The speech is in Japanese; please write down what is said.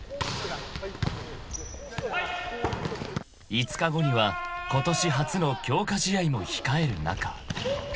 ［５日後にはことし初の強化試合も控える中］